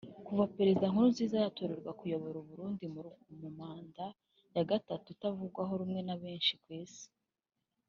Kuva Perezida Nkurunziza yatorerwa kuyobora u Burundi muri manda ya gatatu itavugwaho rumwe na benshi kwisi